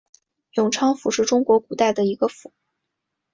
永昌府是中国古代的一个府。